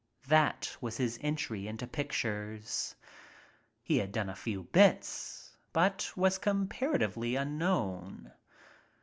That was his entry into pictures. He had done a few bits but was comparatively unknown.